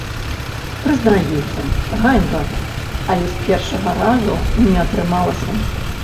Прызнаюся, ганьба, але з першага разу не атрымалася.